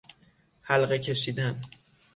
حلقه کشیدن